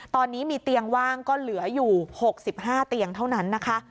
ตอนนี้มีเตียงว่างก็เหลืออยู่๖๕เตียงเท่านั้นนะคะ